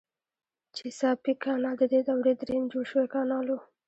چیساپیک کانال ددې دورې دریم جوړ شوی کانال و.